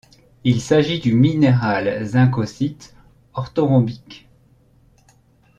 Il s'agit du minéral zincosite orthorhombique.